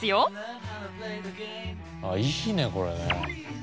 あっいいねこれね。